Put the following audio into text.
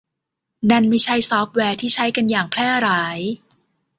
นั่นไม่ใช่ซอฟต์แวร์ที่ใช้กันอย่างแพร่หลาย